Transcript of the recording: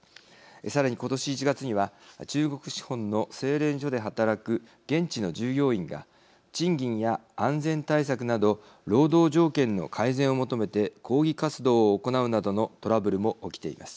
さらに今年１月には中国資本の精錬所で働く現地の従業員が賃金や安全対策など労働条件の改善を求めて抗議活動を行うなどのトラブルも起きています。